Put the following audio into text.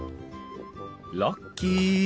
ラッキー。